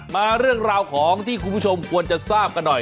มาเรื่องราวของที่คุณผู้ชมควรจะทราบกันหน่อย